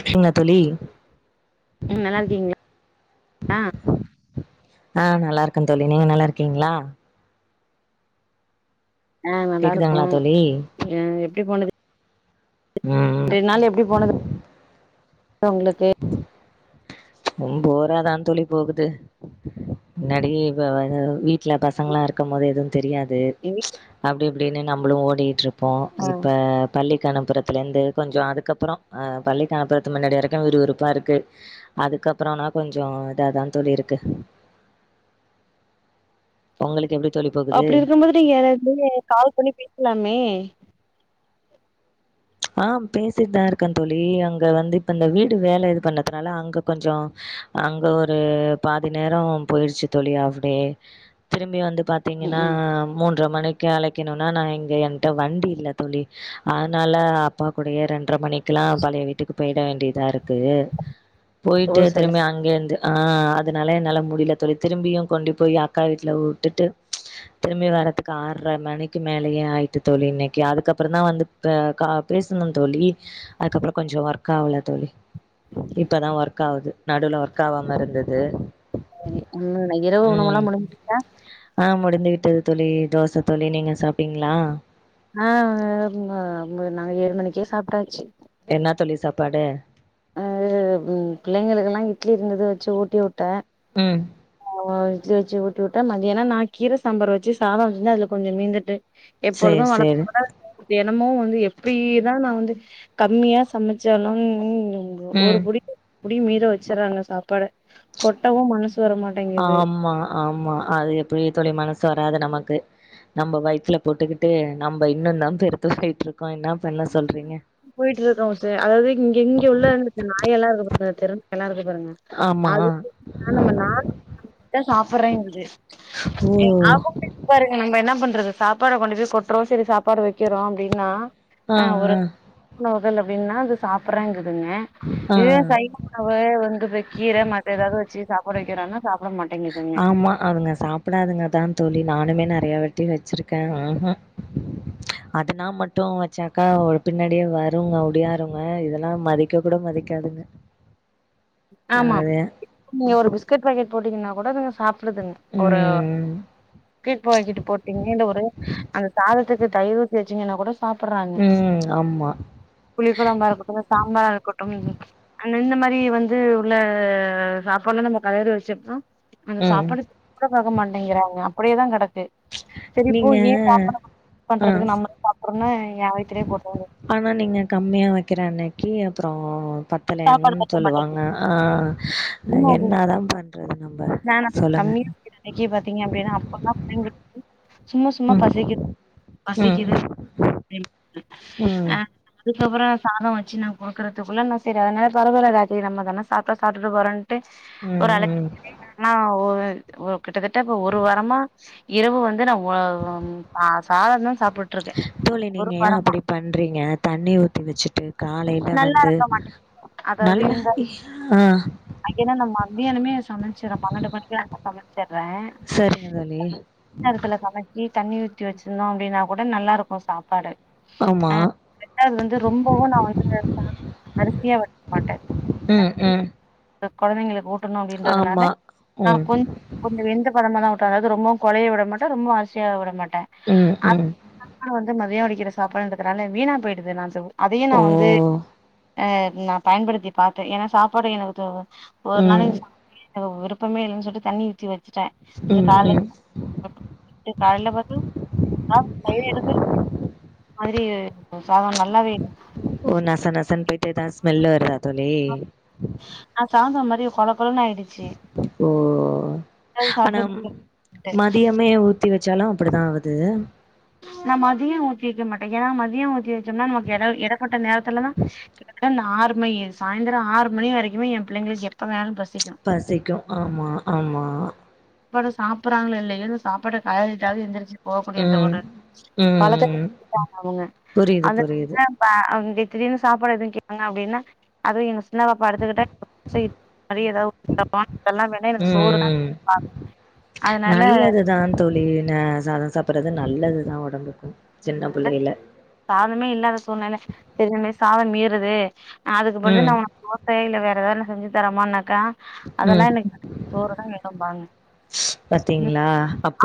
என்ன தோழி ம் நல்லா இருக்கீங்களா ஆஹ் நல்லா இருக்கன் தோழி நீங்க நல்லா இருக்கீங்களா ஆஹ் நல்லா கேக்குதுங்களா இருக்கும் தோழி எப்டி போனது உம் உம் ரெண்டு நாள் எப்டி போனது உங்களுக்கு ர போராதான்தோழி போகுது முன்னாடி இ வீட்டுல பசங்களாம் இருக்கும் போது எதுவும் தெரியாது அப்டி அப்டின்னு நம்ளும் ஓடிட்டு இருக் இப்போ ஆ இப்ப பள்ளி கெளம்புறதுலருந்து கொஞ்சம் அதுக்கப்பறம் பள்ளிக்கு அணுணப்புறத்து முன்னாடி வரைக்கும் விறுவிறுப்பா இருக்கு அதுக்கப்பறம்னா கொஞ்சம் இதாதான் தோழிஇருக்கு உங்களுக்கு எப்படி அப்படி இருக்கும்போது நீங்க கால் பண்ணி பேசலாமே ஆஹ் பேசிட்டு தான் இருக்கேன் தோழி அங்க வந்து இப்ப இந்த வீடு வேலை இது பண்ணதுனால அங்க கொஞ்சம் அங்க ஒரு பாதி நேரம் போயிருச்சு தோழி ஆஃப்டே திரும்பி வந்து ம் பாத்தீங்கன்னா ம் மூன் றை மணிக்கு அழைக்கணும்னா நான் இங்க என்ட வண்டி இல்ல தோழி ஆனால அப்பா குடைய ரெண்டு ரை மணிக்குல்லாம் பழைய வீட்டுக்கு பெய்ட வேண்டியதா இருக்கு கு ஓ போயிட்டு சரி திரும்பி அங்கேந்து ஆஹ அதனால என்னால முடியல தோழி திரும்பியும் கொண்டு போய் அக்கா வீட்டுல விட்டுட்டு திரும்பி வரதுக்கு ஆறரை மணிக்கு மேலயே ஆயிட்டு தோழி இன்னைக்கு அதுக்கப்பறம் தான் வந்து கா பேசணும் தோழி அதுக்கப்பறம் கொஞ்சம் ஒர்க் ஆகல தோழி இப்பதான் ஒர்க் ஆகுது நடுவுல ஒர்க் ஆவாம இருந்தது இரவு உணவெல்லாம் முடிஞ்சிச்சா வந்து விட்டது தோழி தோசை தோழி நீங்க சாப்டிங்களா ஆஹ நாங்க ஏழு மணிக்கே சாப்டாச்சு என்ன தோழி சாப்பாடு அஹ பிள்ளைங்களுக்யல்லாம் இட்லி இருந்தது வச்சு ஊட்டி விட்டேன் உம் இட்லி வச்சு ஊட்டி விட்டேன் மதியானம் நான் கீரை சாம்பார் வச்சு சாதம் இருந்ததுல கொஞ்சம் மீந்துட்டு சரி, எப்பொழுதும் சரி. வழக்கம்போல நம்மொ வந்து எப்பயிதான் நான் வந்து கம்மியா சமைச்சாலும் உ ஒரு ம். புடி அப்படியும் மீற வச்சிறாங்க சாப்பாட கொட்டவும் மனசுவரமா ஆமா ஆமா அது எப்டி தோழி மனசு வராது நமக்கு நம்ம வயிதுல போட்டுக்கிட்டு நம்ப இன்னும் நம்ப பெருத்து போயிட்டு இருக்கோம் போயிட்டு இருக்கம் சார் அதாவது இங்க இங்க உள்ள இந்த நாய் எல்லாம் இருக்கு திறன் நல்லாருக்கு ங்க ஆமா அதுக்கு தானம் பன்னால் நம்மல்ட சாப்டுறேன்குது ஓ அவுங்க பாருங்க ந என்ன பண்றது. சாப்பாட கொண்டு போய் கொட்டுறோம் சரி சாப்பாட வைக்கிறோம் அப்படின்னா. ஆஹ ஆஹ. முதல்ல அப்டின்னா அது சாப்பிடறாங்குது. ங்க ஆ இது சைாவ உணவு வந்து. கீர மத்த ஏதாவது வச்சு சாப்பாட வக்கிறோம்னா. ஆமா அதுங்க சாப்பிடாதுங்கதான் தோழி நானுமே நறைய வாட். ட்டி வச்சிருக்கேன் ஆஹா அதனா மட்டும் வச்சாக்கா ஒரு பின்னாடியே வருங்க ஒடியாருங்க இதெல்லாம் மதிக்க கூட மதிக்காதுங்க. ஆமாம் அது நீங்க ஒரு பிஸ்கட் பாக்கெட் போட்டீங்கன்னா. அப்பகூட அதுங்க சாப். டுதுங்க ஒரு ம் பிஸ்கட் பாக்கெட் போட்டீங்கன்னா ஒரு அந்த சாதத். துக்கு தயிர் ஊத்தி வச்சீங்கன்னா கூட. சாப்புறாங்க ம் ஆமா புளி குழம்பா இருக்கட்டும் சாம்பாரா இருக்கட்டும். இந்த மாரி வந்து. வந்து உள்ள சாப்பாடலாம் நம்ம கலறி வச்சோம்னா. அந்த ம் சாப்பாட சாப்ட கூட பாக்க மாட்டேங்கிறாங்க. அப்படியேதா கெடக்கு. சரிப்போ நீங்க ஏன் சாப்பிட ஆ பண்றதுக்கு நம்மள சாப்படுறுவோம்னு. ஆனா நீங்க கம்மியா வ. கிர அன்னைக்கி அப்பறோ. சாப்பாடு பத்தலணும் பத்த மாட்டேங்குது சொல்லுவாங்க ஆஹ உண்ம அதுதான். என்னாதான் பண்றது நம்ம ஏன்னா நம்ம சொல்லுங்க. கம்மியா விலைக்கு பாத்தீங்க அப்டின்னா அப்பல்லாம் பிள்ளைங்களுக்கு சும்மா சும்மா ம். பசிக்குது ம். பசிக்குது அப்டிங்குவாங்க. ம். [unintelligible] அதுகப்றோ சாதம் வச்சு நான் கொடுக்கறதுக்குள்ள நா. சரி அதனால பரவரல ராத்திரி நம்ம தான சாப்ட்டா சாப்பட போறோன்டு. ஒரு ம். அழச்ச ம். ஆனா. கிட்டத்தட்ட இப்ப ஒரு வாரமா இரவு வந்து நா. இருக்கேன். தோழி ஒரு நீங்க ஏன் வாரமா அப்படி பண்றீங்க தண்ணி ஊத்தி வச்சுட்டு காலையில நல்லா வந்து. இருக்க மாட்டேங்குது அதாவது நல்லா இந்த ஆ ஏன்னா நம்ம மந்தியானுமே சமைச்சர பண்ணென்டு மணிக்குலா. போங்க. றேன் சரிங்க தோழி. அதுக்குள்ள சமைச்சி. தண்ணி ஊத்தி வச்சுருந்தோம் அப்படின்னா கூட நல்லாயிருக்கும் சாப்பாடு. ஆமா. அஹ கரெக்டா வந்து ரொம்பவும் நான் வந்து சாப் அரிசி. கம்மியா வைக்க மாட்ட. ம். ம். குழந்தைங்களுக்கு உ ணும் அப்படின்றதுனால ஆமா. ம். கொஞ் கொஞ்சம் வெந்த பதம்மாதான் அதாவது ரொம்ப கொலைய விடமாடே ரொம்ப அரசியாக விட மாட்டன் ம். ம். அப்பறம வந்து மதியம் கீற சாப்பாடுறதுனால வீனா போயிடுது நான் அதையும் ஓ! நான் வந்து எ நான் பயன்படுத்தி பார்த்தேன் ஏன்னா சாப்பாடு எனக்கு தோ ஒரு ம். நாளைக்கு விருப்பம் இல்லைன்னு சொல்லி தண்ணி ஊற்றிவச்சு வச்சுடே ம். காலை ம். பாத்தா அத எடு மாதிரி சாதம் நல்லாவே இருக்கும் ஓ நசன்நசன் பே எதாவது ஸ்மெல்லு வருதா தோழி பெரிகொலப் ஓ ஆனா சாப்ட்டு மதியமே உ சுத்தி வச்சாலும் அப்படித்தான் ஆகுது நான் மதியம் ஊத்தி வைக்க மாட்டேன் ஏன்னா மதியம் ஊத்தி வைச்சோம்னா நமக்கு இடப்பட்ட நேரத்துலதான் கிட்டதட்ட ஆறு மணி சாயந்திரம் ஆறு மணி வரைக்குமே என் பிள்ளைங்களுக்கு எப்ப வேன்னாலும் பஸ் பசிக்கும் ஆமா ஆமா சாப்பாட சாப்பிடடுறங்களா இல்லையன்ன சாப்பாட கயாட்டாது எந்திரிச்சு போகக்கூடியந்த இந்த ம் ஒரு பலக்கத்து ம் வந்துட்டாங்க அவங்க புரியுது அத புரியுது திடீர்னு சாப்பாடு எதுவும் கோங்க அப்படின்னா அதுவும்ங்க என்னா பாப்பா எடுத்துக்கிட்ட வேண்டாதெல்லாம் வேண்டா எனக்கு சோறு நல்லதுதான் தோழி ந சாதம் சாப்பிடுறது அது நல்லது தான் உடம்புகு நல்ல சாதமே இல்லாத சூழ்நில சேரிக மிஸ் சாதம் மீறுது அதுக்கு பதில் ம் நான் உனக்கு தோசை இல வேற ஏதான செஞ்சி தரமா க்கா ம் அதெல்லாம் எனக்கு சோறு தான் வேண்ணும்பாங்க பாத்தீங்களா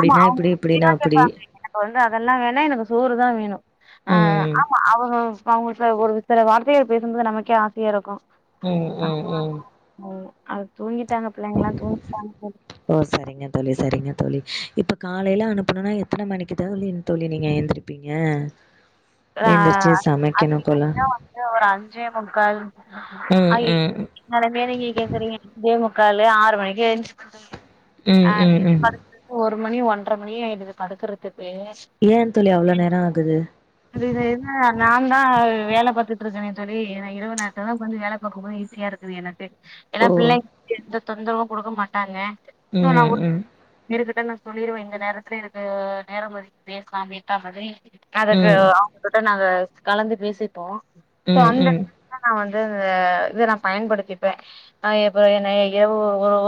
ஆமா அவங்க இப்டி இப்டின்னா இப்படிதான் அப்டி கேட்பாங்க எனக்கு வந்து அதெல்லாம் வேண எனக்கு சோறு சோறு தான் வேணும் ஆஹ் ம் ஆமா அவ இப்ப அவங்க ஒரு சில வார்த்தைகள் பேசும்போது நமக்கே ஆசையா இருக்கும் உம் உம் உம் அது தூங்கி ஓ சரிங்க தோழி சரிங்க தோழி இப்போ காலையிலாம் அனுப்பணும்னா எத்தன மணிக்குதானு தோழி நீங்க எழுந்திருப்பீங்க ஆஹ் அ வந்து ஒரு அஞ்சே முக்கால் ம் ம் நாமே நீங்க கேக்றீங்க அஞ்சே முக்க கால் ஆறு மணிக்கு எழுஞ்சுபேன் தோழி ம் ஆஹ் ம் வீட்டு ம் படுக்குறதுக்கு ஒரு ஒரு மணி ஒன்றரை மணிஆயிடுது படுக்குறது ஏன் தோழி அவ்வளவு நேரம் ஆகுது அது என்ன நான் தான் வேல பார்த்துட்டு இருக்கேனே தோழி ஏன்னா இரவு நேரத்தில் தான் கொஞ்ச வேல பாக்கும்போது ஈஸியா இருக்குது எனக்கு ஏன்னா ஓ பிள்ளைங் தொந்தரவு குடுக்க மாட்டாங்க உம்ம் உம் இத நான் சொல்லிருவேன் இந்த நேரத்துல இருக்கு நேரம் ஓதுக்கி பேசலாம் மாறி வேஸ்ட்டாகாது ஹ ம் அவங்ககிட்ட நான் கலந்து பேசி உம் உம் இது நான் பயன்படுத்திப்பேன் ஹ் எம் என் ஏ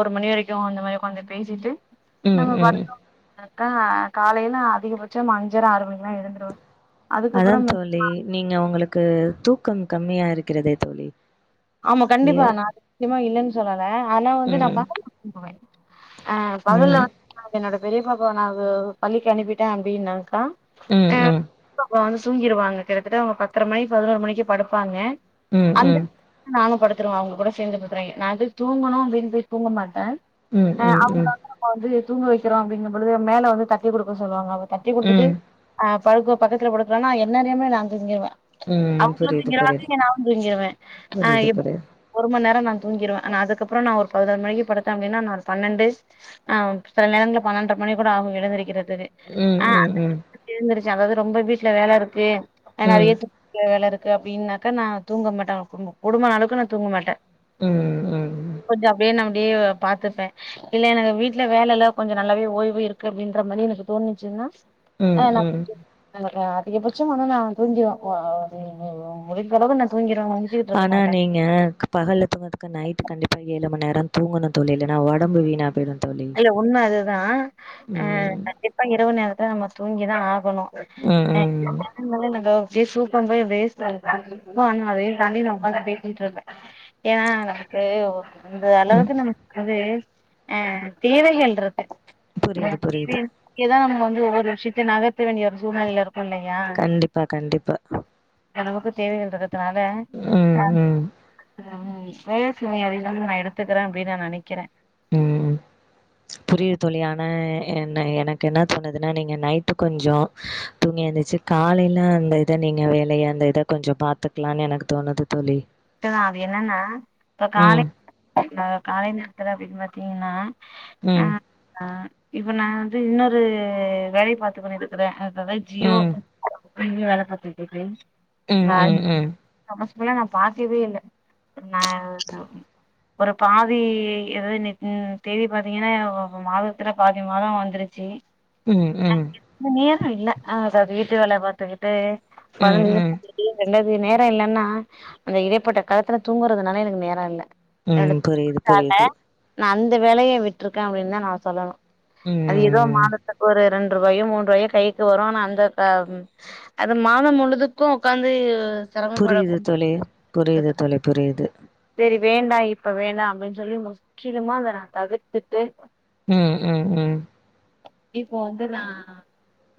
ஒரு மணி வரைக்கும் அந்த மாரி கொஞ்சம்பேசிட்டு உம் உம் அக்கா காலையில அதிகபட்சம் அஞ்சர ஆறு மணிக்குலாம் எழுந்துருவேன் அதான் தோழி நீங்க உங்களுக்கு தூக் கம் கம்மியா இருக்கிறதே தோழி ஆமா கண்டிப்பா ஏ நா இல்லன் சொல்ல ஆனா வந்து நான் ம் பகல் போவன் ஆஹ பகல்ல ம் வந்து அப்டி நடக் பெரிய பாப்பா நான் அது பள்ளிக்கு அனுப்பிட்டேன் அப்டினாக்கா உம் உம் இப்ப வந்து தூங்கிடுவாங்க கிட்டத்தட்ட அவுங்க பத்தரை மணி பதினொரு மணிக்கு படுப்பாங்க உம் உம் நானும் படுத்துருவன் அவுங்க கூட சேர்ந்து படுத்துறவாங்க நா போய் தூங்கணும் அப்டின்னு போய் தூங்க மாட்டேன் உம் உம் உம் தூங்க வக்கிறோம் அப்டிங்கபோது மேல வந்து தட்டி குடுக்க சொல்லுவாங்க தட்டி குடுத்துட்டு ம் அஹ படுக்க பக்கத்துல படுக்கிறனா என்ன அறியாமே நா தூங்கிருவே ம் அவுங்களு தூங்கிருவாங்க நானு தூங்கிருவே புரியிது புரிது ரொம்ப நேரம் நா தூங்கிருவே ஆனா அதுக்கப்றோ நா ஒரு பதினொரு மணிக்கு படுத்தே அப்டின்னா பன்னண்டு சில நேரங்கள பன்னெண்ற மணி கூட ஆவு எழுந்துருக்கிற உம் உம் உம் அதாவது ரொம்ப வீட்ல வேல இருக்கு ஆ ம் நெறைய [inaudible] வேல இருக் க்கு அப்டினாக்கா நா தூங்க மாட்டே [unintelligible] உடுமா அளவுக்கு நா தூங்க மாட்டே ம் ம் கொஞ்ச அப்டியே நம் அப்டியே பாத்த்ப்பே இல்ல எனக்கு வீட்ல வேல இல்ல கொஞ்ச நல்லாவே ஓய்வு இருக்கு அப்டின்ற மாரி எனக்கு தோணுச்சுன்னா ஆ ம் நா ம் [unintelligible] அதிகபச்சம் ஆனா நா தூங்கிருவ ஆ முடிஞ்சளவுக்கு நா தூங்கிருவ ஆனா நீங்க பகல்ல தூங்கதுக்கு நைட் கண்டிப்பா ஏழு மணி நேர தூங்கணு தோழி இல்லனா உடம்பு வீணா போயிடு தோழி இல்ல உண்மஅது தா அ ம் கண்டிப்பா இரவு நேரத்துல நம்ம தூங்கி தா ஆ கணு ம் ம் [unintelligible] [unintelligible] வேஸ்ட்டாகுது அதையு தாண்டி நா ஒக்காந்து பேசிட்ருக்கே ஏனா நமக்கு அந்த ம் அளவுக்கு நமக்கு ‌வந்து அ அ தேவைகள்‌ருக்கு புரியுது புரியுது [unintelligible] வந்து ஒவ்வொரு விஷ்யத்தை நகர்த்த வேண்டிய ஒரு சூழ்நெலைலருக் கண்டிப்பா கண்டிப்பா நமக்கு தேவைகள்ரு க்கனால ம் [unintelligible] ம் நா எடுத்துக்கிறே அப்டினு நா நெனைக்கிறே ம் புரியுது தோழி ஆனா என்ன எனக்கு என்ன தோணுதுன்னா நீங்க நைட்டு கொஞ்சொ தூங்கி எந்துச்சு காலைல அந்த இத நீங்க வேலைய அந்த இத கொஞ்சொ பாத்துக்லானு எனக்கு தோணுது தோழி தோழி அது என்னன்னா இப்ப ம் காலைல‌ காலை நேரத்துல அப்டின் பாத்தீங்கன்னா ஆ ம் ஆ இப்ப நா வந்து இன்னொரு வேலை பாத்து கொண்டிருக்குறே அதா ஜியோ ம் நீங்க வேல பாத்துட்றிக்ங்க ம் ஆ ம் ம் ஆமா [unintelligible] பாக்கவே இல்ல ந ஒரு பாதி எதாது இனக் உம் தேதி பாத்திங்கன்னா ய ஒ மாதத்துல பாதி மாதோ வந்து வந்துருச்சு ம் ம் இந்த நேரோ இல்ல ஆ அது வீட்டு வேல பார்த்துக்கிட்டு ம் கொழைந்தைகளையு ம் பாத்துகிட்டு ரெண்டாது அது நேரோ இல்லன்னா அந்த இடைப்பட்ட காலத்துல தூங்குறதுனால எனக்கு நேரோ இல்ல ம் என்னோட புரியுது தூக்கத்தால புரியுது நா அந்த வேலைய விட்டருக்கே அப்டின்னு தா நா சொல்லலா அது ஏதோ ம். மாதத்துக்கு ஒரு ரெண் ரண்டு ரூவாயோ மூன்றுவாயோ கைக்கு வரு அந்த அ அது மாதம் முழுதுக்கு உக்காந்து செரமப்பட தே புரியுது தோழி புரியுது சரி வேண்டா இப்ப வேணா அப்டின்னு சொல்லி முற்றிலுமா அத நா தவிர்த்துட்டு உம் உம் உம் இப்போ வந்து நா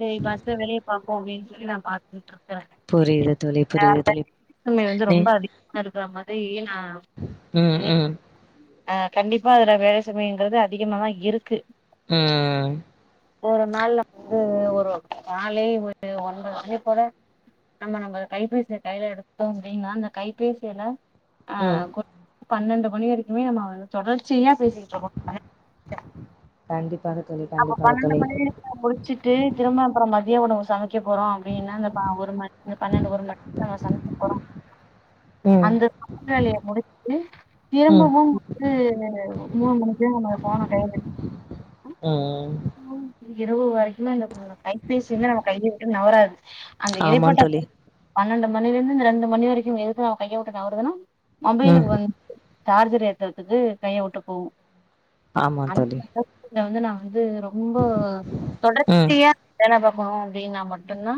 ஏய் பாஸ்ட் வெளிய பாார்ப்போம் அப்டின்னூ இரு நா பா்த்துட்டா புரியுது தோழி புரியுது தோழி [unintelligible] வந்து ரொம்ப அதிகமா இருக்கும் என்ற மாதிரி இயல் உம் உம் ஆஹ் கண்டிப்பா அதுல வேல சமையங்கிறது அதிகமாதான் இருக்கு ம் ஒரு நாள்ல ப்பு ஒரு கால்லே ஒரு ஒன்பதுமணியப்போல நம்ம நம்ம கைப்பேசிய கையில எடுத்து தோம் அப்பிடின இந்த கைபேசியல ம். ஆஹ் கு பன்னெண்டு மணி வரைக்குமே நம்ம தொடர்ச்சியா பேசிட்டு இருக்கோம் கண்டிப்பாக தோழி அப்ப கண்டிப்பாக பன்னெண்டு தோழி. மணி [unintelligible] முடிச்சுட்டு திரும்ப அப்புறம் மதியம் உணவு சமைக்க போறோம் அப்படின்னா ப ஒரு மணி பன்னெண்டு ஒரு மணிக்கு நம்ம சமைக்க போறோம் ம் அந்த சமயல் வேலையை முடிச்சுட்டு ம் திரும்பவும் ஒரு மூணு மணிக்கு நம போன கையயில எடுத்துடு உஹ உ. இரவு வரைக்கும் இந்த கைப்பேசி வந்து நம்ம கைய விட்டு நவராது. அந்த ஆமா இடைப்பட்ட. தோழி. பன்னெண்டு மணில இருந்து இந்த ரெண்டு மணி வரைக்கும் எதுக்கு நம்ம கைய விட்டு நவரதுனா. ம். மொபைலுக்கு வந்து. சார்ஜர் ஏத்துறதுக்கு கைய வுட்டு போகு. ஆமா தோழி. இதுல வந்து நா. அது ரொம்ப ம் தொடர்ச்சியா வேலபாப். போ அப்டினா மட்டுந்தா.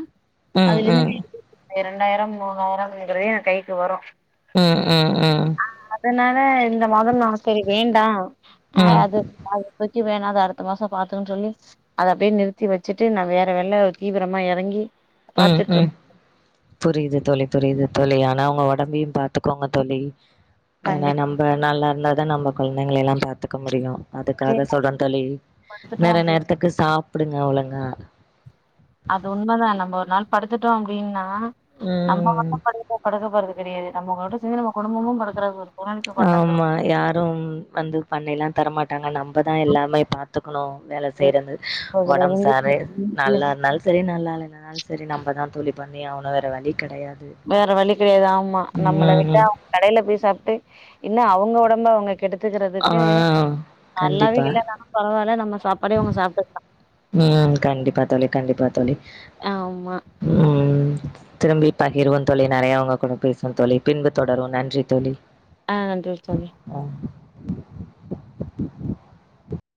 ம் ம் அதுலயிருந். இரண்டாயிரம் மூணாயிரம்ங்குறது என் கைக்கு வரும். உம் உஹ உஹ. அதனால இந்த மாதம் நான் செரி வேண்டாம். ஆஹ ம் அது. க்கு வேணா அது அடுத். த மாசம் பார்த்தகளானு சொல்லி அத அப்படியே நிறுத்தி வச்சுட்டு நான் வேற வெள்ள தீவிரமா இறங்கி. ம் ம் புரியுது தோழி புரியுது தோழி ஆனா அவுங்க. ஒடம்பயும் பாத்துக்கோங்க தோழி. ஏன்னா கண்டிப்பா நம்ம நல்லா இருந்தாதான் நம்ம கொழந்தைங்கள எல்லாம் பாத்துக்க முடியும் அதுக்காக சொல்ற தோழி படுத்துட்டோ நேர அப்டி நேரத்துக்கு சாப். சாப்டுங்க ஒழுங்கா. அது உண்மதான் நம்ம ஒரு நாள் படுத்துட்டோம் அப்டின்னா. நம்ம ம் மட்டும் படுக் படுக்க போறது. தெரியாது நம்ம கூட சேந்து நம்ம கும்பமும் படுக்குறது ஒரு. சூழ்நிலைக்கு ஆமா கொண்டாந்துரு யாரும் வந்து பண்ணிலாம். தர மாட்டாங்க நம். நம்மதான் எல்லாமே பாத்துக்கணும் வேல செய்றது அதுல ஒடம்பு இருந்து சாரு நல்லா இருந்தாலும் சரி நல்லாலனாலும் சரி நம்மதான் தோழி. பண்ணி அவன வேற வண்டி. வேற வழி கெடையாது ஆமா நம்மள விட்டா ம் அவுங்க கடையில போய் சாப்ட்டு. என்ன அவுங்க ஒடம்ப அவுங்க. ஆ கெடுத்துக்கிறதுக்கு நல்லாவே இல்ல நாலும் பரவாயில்ல நம்ம. சாப்பாடே அவங்க சாப்ட்டுக்கலா உம் கண்டிப்பா தோழி. கண்டிப்பா தோழி. ஆமா. ம் திரும்பி பகிர்வோம் தோழி நெறைய உங்க கூட பேசுனும் தோழி பின்பு தொடருவோம் நன்றி தோழி. ஆ நன்றி தோழி [inaudible]